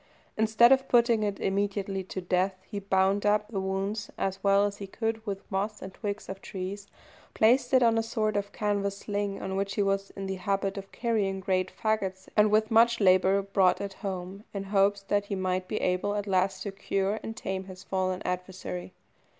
Instead of putting it immediately to death, he bound up the wounds as well as he could with moss and twigs of trees, placed it on a sort of canvas sling on which he was in the habit of carrying great fagots, and with much labour brought it home, in hopes that he might be able at last to cure and tame his fallen adversary.